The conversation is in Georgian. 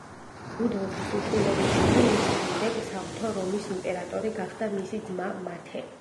რუდოლფის უშვილობის გამო მის შემდეგ საღვთო რომის იმპერატორი გახდა მისი ძმა, მათე.